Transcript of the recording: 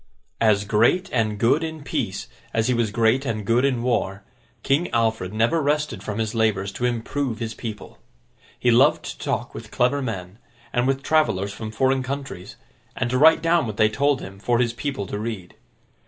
As great and good in peace, as he was great and good in war, King Alfred never rested from his labours to improve his people. He loved to talk with clever men, and with travellers from foreign countries, and to write down what they told him, for his people to read.